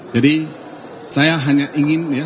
jadi saya hanya ingin